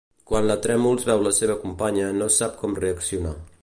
Quan la Trèmols veu la seva companya no sap com reaccionar.